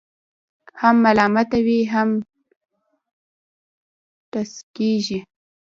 هم ملامته وي، هم ټسکېږي.